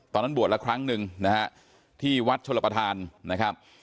ตอนนั้นบวชละครั้งหนึ่งนะฮะที่วัดชลประธานนะครับ